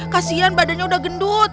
kasian badannya udah gendut